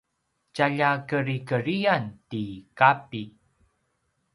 tjalja kedrikedriyan ti Kapi